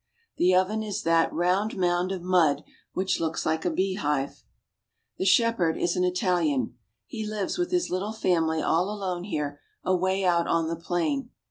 The oven is that round mound of mud which looks like a beehive. The shepherd is an Italian. He lives with his little family all alone here, away out on the plain.